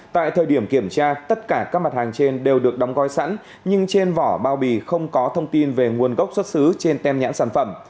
tại thời điểm kiểm tra tất cả các mặt hàng trên đều được đóng gói sẵn nhưng trên vỏ bao bì không có thông tin về nguồn gốc xuất xứ trên tem nhãn sản phẩm